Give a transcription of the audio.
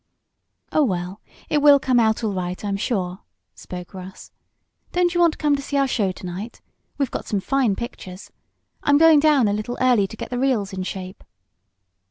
"Oh, well, it will come out all right, I'm sure," spoke Russ. "Don't you want to come to see our show to night? We've got some fine pictures. I'm going down a little early to get the reels in shape."